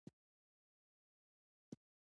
د بانک له لارې د پیسو ورکړه سند ګڼل کیږي.